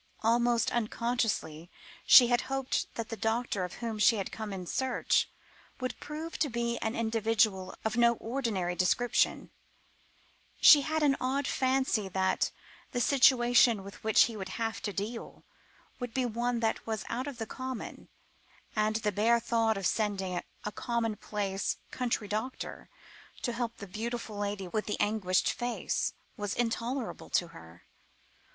Almost unconsciously she had hoped that the doctor of whom she had come in search, would prove to be an individual of no ordinary description; she had an odd fancy that the situation with which he would have to deal, would be one that was out of the common, and the bare thought of sending a commonplace, country doctor to help the beautiful lady with the anguished face, was intolerable to her.